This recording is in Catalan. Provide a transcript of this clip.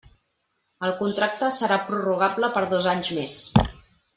El contracte serà prorrogable per dos anys més.